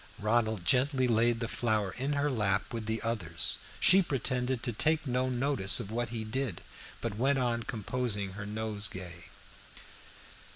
Ronald gently laid the flower in her lap with the others. She pretended to take no notice of what he did, but went on composing her nosegay.